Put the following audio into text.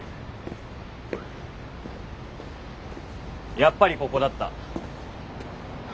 やっぱりここだった。